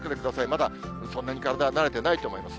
まだ、そんなに体が慣れてないと思います。